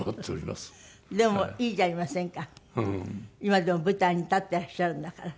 でもいいじゃありませんか今でも舞台に立っていらっしゃるんだから。